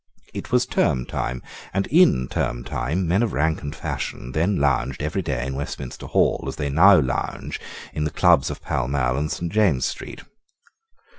It was term time; and in term time men of rank and fashion then lounged every day in Westminster Hall as they now lounge in the clubs of Pall Mall and Saint James's Street.